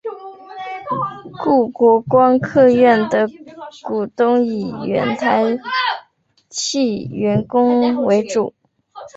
故国光客运的股东以原台汽员工为主。